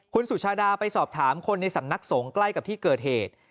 คุณสุชาดาไปสอบถามคนในสำนักสงฆ์ใกล้กับที่เกิดเหตุ